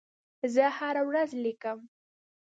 زه هره ورځ لیکم.